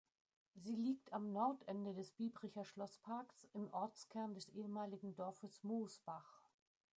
Sie liegt am Nordende des Biebricher Schlossparks im Ortskern des ehemaligen Dorfes Mosbach.